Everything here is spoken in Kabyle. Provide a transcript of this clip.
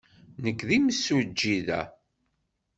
Nekk d imsujji da.